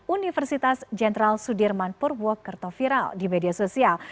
universitas jenderal sudirman purwokerto viral di media sosial